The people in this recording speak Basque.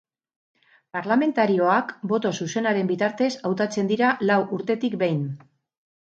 Parlamentarioak boto zuzenaren bitartez hautatzen dira lau urtetik behin.